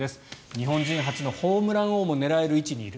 日本人初のホームラン王も狙える位置にいる。